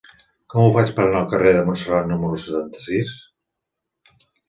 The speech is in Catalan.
Com ho faig per anar al carrer de Montserrat número setanta-sis?